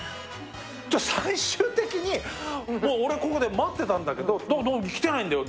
じゃあ、最終的に、もう俺、ここで待ってたんだけど、来てないんだよ。